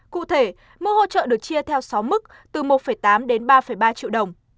cụ thể mức hỗ trợ được chia theo sáu mức từ một tám đến ba ba triệu đồng